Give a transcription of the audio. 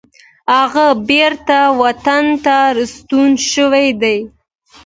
هغه بیرته وطن ته ستون شوی دی.